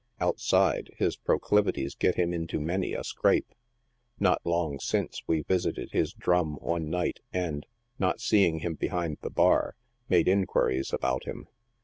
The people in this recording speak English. Outside, his proclivities get him into many a scrape. Not long since, we visited his '• drum" one night, and, not seeing him behind his bar, made inquiries about him.